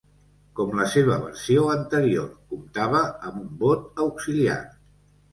Com la seva versió anterior, comptava amb un bot auxiliar.